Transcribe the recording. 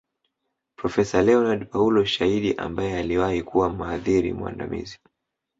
Profesa Leonard Paulo Shaidi ambaye aliwahi kuwa mhadhiri mwandamizi